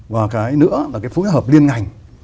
và cái nữa là cái phối hợp liên ngành